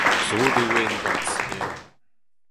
sot e oan gant ar sinema.